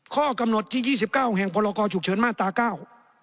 ข้อกำหนดที่๒๙แห่งพลกจุกเฉินมาตรา๙